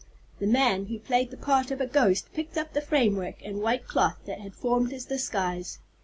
The man who played the part of a ghost picked up the framework and white cloth that had formed his disguise.